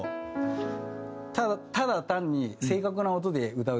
ただ単に正確な音で歌うと。